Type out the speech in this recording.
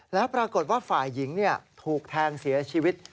แล้วปรากฏว่าฝ่ายหญิงถูกแทงเสียชีวิต